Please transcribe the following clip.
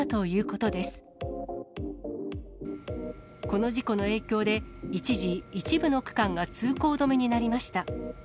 この事故の影響で、一時、一部の区間が通行止めになりました。